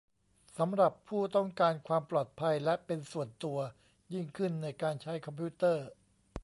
สำหรับผู้ต้องการความปลอดภัยและเป็นส่วนตัวยิ่งขึ้นในการใช้คอมพิวเตอร์